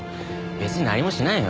別に何もしないよ。